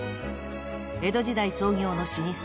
［江戸時代創業の老舗］